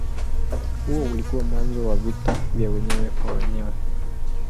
Huo ulikuwa mwanzo wa vita ya wenyewe kwa wenyewe.